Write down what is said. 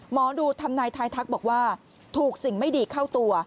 หมอดูทำนายท้ายทักบอกว่าถูกสิ่งไม่ดีเข้าตัว